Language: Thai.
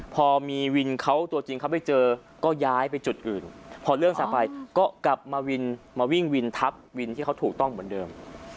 พอมีวินเขาตัวจริงเขาไปเจอก็ย้ายไปจุดอื่นพอเรื่องทรัพย์ไปก็กลับมาวินมาวิ่งวินทับวินที่เขาถูกต้องเหมือนเดิม